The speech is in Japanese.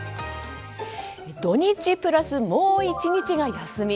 土日プラスもう１日が休み。